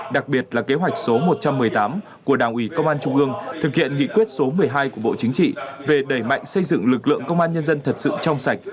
đặc biệt là kế hoạch số một trăm một mươi tám của đảng ủy công an trung ương thực hiện nghị quyết số một mươi hai của bộ chính trị về đẩy mạnh xây dựng lực lượng công an nhân dân thật sự trong sạch